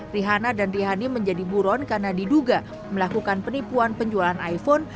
rihana dan rihani menjadi buron karena diduga melakukan penipuan penjualan iphone